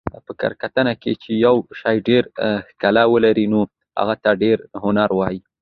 په کره کتنه کښي، چي یوشي ډېره ښکله ولري نو هغه ته ډېر هنري وايي.